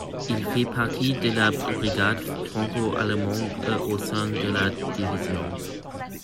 Il fait partie de la brigade franco-allemande au sein de la division.